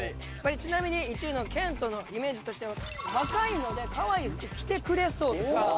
ちなみに１位の謙杜のイメージとしては若いのでかわいい服を着てくれそうとか。